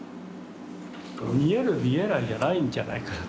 見える見えないじゃないんじゃないかなと。